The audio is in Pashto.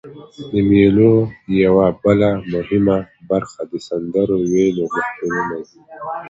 د مېلو یوه بله مهمه برخه د سندرو ویلو محفلونه دي.